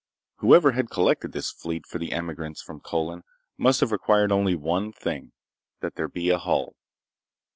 Whoever had collected this fleet for the emigrants from Colin must have required only one thing—that there be a hull.